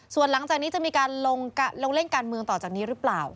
ส่วนหลังจากนี้จะมีการลงเล่นการเมืองต่อจากนี้หรือเปล่า